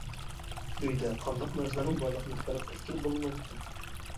ئۆيدە قانداق نەرسىلەرنىڭ بارلىقىنى پەرق ئەتكىلى بولمايتتى.